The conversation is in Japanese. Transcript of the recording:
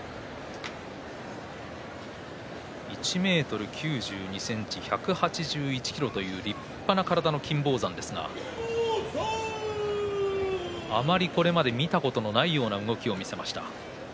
１ｍ９２ｃｍ、１８１ｋｇという立派な体の金峰山ですがあまりこれまで見たことのないような動きを見せました。